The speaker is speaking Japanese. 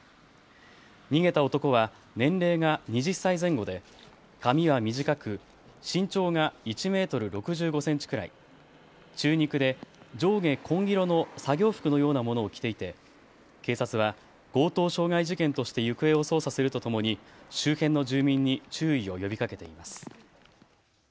逃げた男は年齢が２０歳前後で髪は短く、身長が１メートル６５センチくらい、中肉で上下紺色の作業服のようなものを着ていて警察は強盗傷害事件として行方を捜査するとともに周辺の住民に注意を呼びかけています。